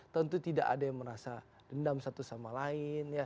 tentu tidak ada yang merasa dendam satu sama lain